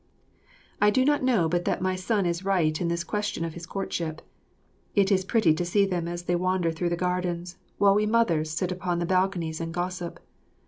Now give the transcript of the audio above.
I do not know but that my son is right in this question of his courtship. It is pretty to see them as they wander through the gardens, while we mothers sit upon the balconies and gossip.